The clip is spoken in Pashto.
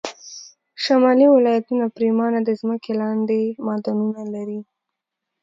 شمالي ولایتونه پرېمانه د ځمکې لاندې معدنونه لري